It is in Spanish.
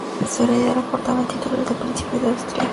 Su heredero portaba el título de Príncipe de Asturias.